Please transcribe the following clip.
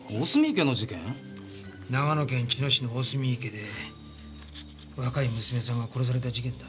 長野県茅野市の大澄池で若い娘さんが殺された事件だ。